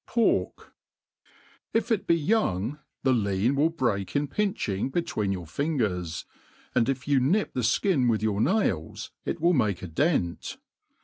Port. ^•'.' IF k be ^Qungt the lean will break in pinching between yotir fiogert , and if you nip thb ikio with your nails, it wiM liiakea. dent